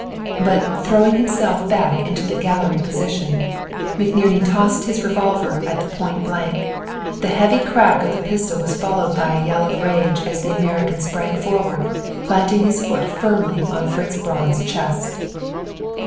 But, throwing himself back into the "gallery position," McNerney tossed his revolver at the point blank. The heavy crack of the pistol was followed by a yell of rage as the American sprang forward, planting his foot firmly on Fritz Braun's chest.